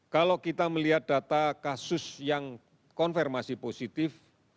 kalau kita melihat data kasus yang konfirmasi positif